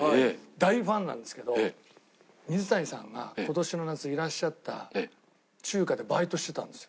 大ファンなんですけど水谷さんが今年の夏いらっしゃった中華でバイトしてたんですよ。